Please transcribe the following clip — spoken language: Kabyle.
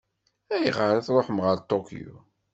Ayɣer i tṛuḥem ɣer Tokyo?